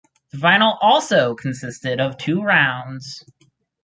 The final also consisted of two rounds.